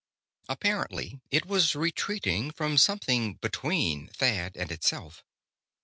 Apparently it was retreating from something between Thad and itself.